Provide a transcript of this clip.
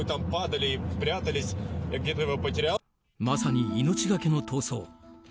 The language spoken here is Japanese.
まさに命がけの逃走。